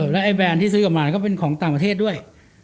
แล้วไอ้แบรนด์ที่ซื้อกลับมาก็เป็นของต่างประเทศด้วย